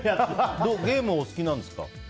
ゲームお好きなんですか？